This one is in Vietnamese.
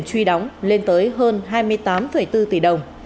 truy đóng lên tới hơn hai mươi tám bốn tỷ đồng